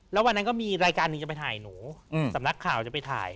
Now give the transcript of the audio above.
แล้ววันนั้นก็มีรายการหนึ่งจะไปถ่ายหนูสำนักข่าวจะไปถ่าย